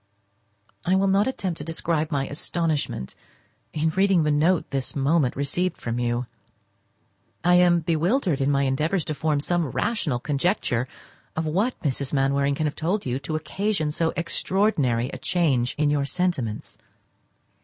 I will not attempt to describe my astonishment in reading the note this moment received from you. I am bewildered in my endeavours to form some rational conjecture of what Mrs. Mainwaring can have told you to occasion so extraordinary a change in your sentiments.